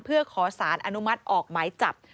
เพื่อขอสารอนุมัติออกหมายจับ